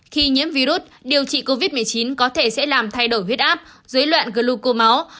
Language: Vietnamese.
khi nhiễm virus điều trị covid một mươi chín có thể sẽ làm thay đổi huyết áp dưới loạn gluco máu